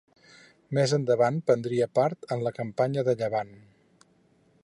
Més endavant prendria part en la campanya de Llevant.